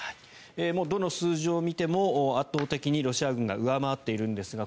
どの数字を見ても圧倒的にロシア軍が上回っているんですが